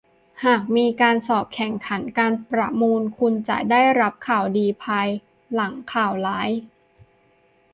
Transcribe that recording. หากมีการสอบ การแข่งขัน การประมูล คุณจะได้รับข่าวดีภายหลังข่าวร้าย